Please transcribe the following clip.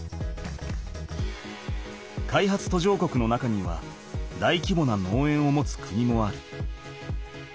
開発途上国の中にはだいきぼな農園を持つ国もある。